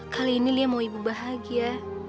kali ini lia mau ibu bahagia